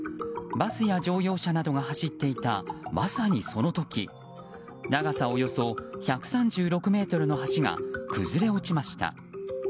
バスや乗用車などが走っていたまさにその時長さ、およそ１３６ｍの橋が崩れ落ちました。